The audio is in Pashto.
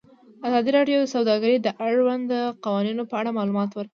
ازادي راډیو د سوداګري د اړونده قوانینو په اړه معلومات ورکړي.